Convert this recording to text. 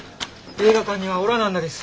映画館にはおらなんだです。